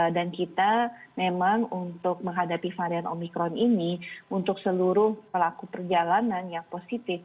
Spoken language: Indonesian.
dan kita memang untuk menghadapi varian omikron ini untuk seluruh pelaku perjalanan yang positif